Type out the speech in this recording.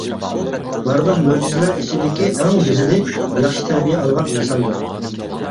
بارلىق مۆجىزىلەر ئىچىدىكى ئەڭ گۈزىلى-ياخشى تەربىيە ئالغان ئىنساندۇر.